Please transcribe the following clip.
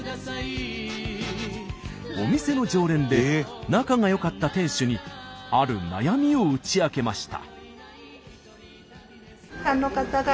お店の常連で仲がよかった店主にある悩みを打ち明けました。